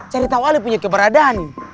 cari tau ali punya keberadaan